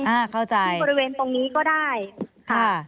อ่าเข้าใจที่บริเวณตรงนี้ก็ได้ค่ะ